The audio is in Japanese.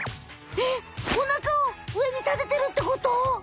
えおなかをうえにたててるってこと？